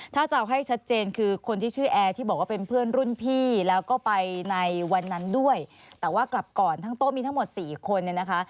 ถ้าจะเอาให้ชัดเจนคือคนที่ชื่อแอร์ที่บอกว่าเป็นเพื่อนรุ่นพี่แล้วก็ไปในวันนั้นด้วยแต่ว่ากลับก่อนทั้งโต๊ะมีทั้งหมดสี่คนเนี่ยนะคะ